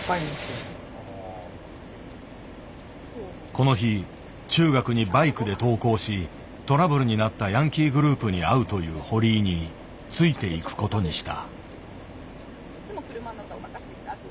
この日中学にバイクで登校しトラブルになったヤンキーグループに会うという堀井についていくことにした。